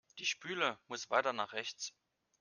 Die Spüle muss weiter nach rechts.